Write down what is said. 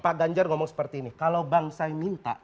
pak ganjar ngomong seperti ini